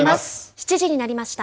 ７時になりました。